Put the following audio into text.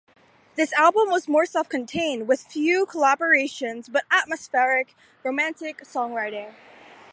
This album was more self contained with few collaborations but atmospheric, romantic songwriting.